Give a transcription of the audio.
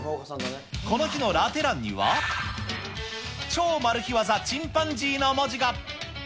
この日のラテ欄には、超マル秘技チンパンジーの文字が。